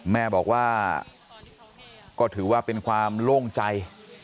แม่บอกว่าก็ถือว่าเป็นความโล่งใจ